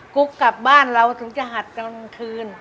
กุ๊กกลับบ้านเราถึงจะหัดกลางคืน